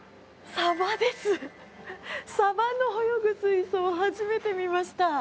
サバの泳ぐ水槽初めて見ました。